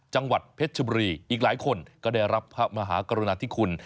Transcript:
จังหวัดเพชรชบุรีอีกหลายคนก็ได้รับพระมหากรุณาธิคุณ